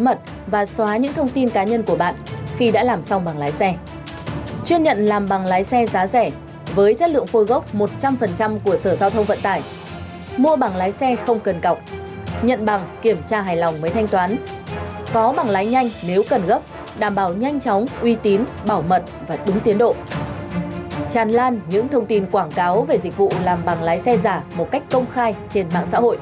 mật và đúng tiến độ tràn lan những thông tin quảng cáo về dịch vụ làm bằng lái xe giả một cách công khai trên mạng xã hội